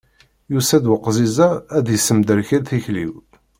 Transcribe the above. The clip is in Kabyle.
Yusa-d weqẓiẓ-a ad yessemderkel tikli-w.